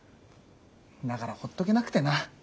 だからほっとけなくてな。